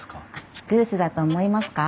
ピクルスだと思いますか？